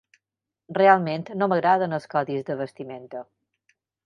Realment no m'agraden els codis de vestimenta.